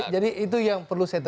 jadi itu yang perlu saya tegaskan